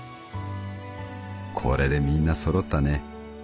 『これでみんなそろったね。